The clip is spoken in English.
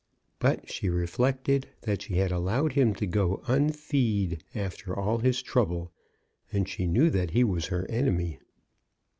But she reflected that she had allowed him to go unfeed after all his trouble, and she knew that he was her enemy.